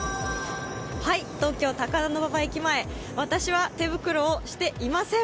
東京・高田馬場駅前私、手袋していません。